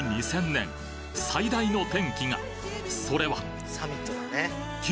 ２０００年最大の転機が！